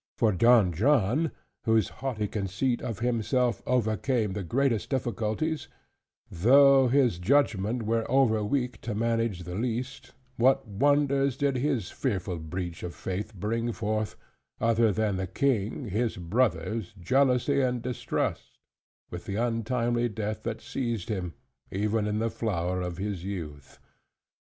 For Don John, whose haughty conceit of himself overcame the greatest difficulties; though his judgment were over weak to manage the least: what wonders did his fearful breach of faith bring forth, other than the King his brother's jealousy and distrust, with the untimely death that seized him, even in the flower of his youth?